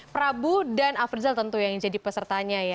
prabu dan afrizal tentu yang jadi pesertanya ya